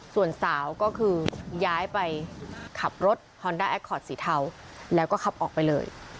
ส่วนสาวก็คือย้ายไปขับรถฮอนด้าแอคคอร์ดสีเทาแล้วก็ขับออกไปเลย